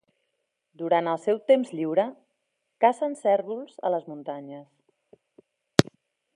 Durant el seu temps lliure, cacen cérvols a les muntanyes.